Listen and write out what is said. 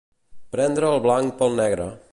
Prendre el blanc pel negre.